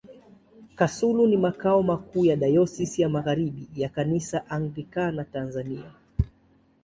Kasulu ni makao makuu ya Dayosisi ya Magharibi ya Kanisa Anglikana Tanzania.